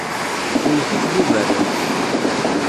Iwwet-it buberrak.